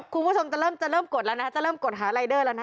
คุณผู้ชมจะเริ่มกดหารายเดอร์แล้วนะ